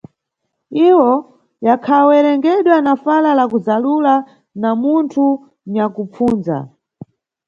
Iyo yakhawerengedwa na fala la kuzalula na munthu nyakupfunza.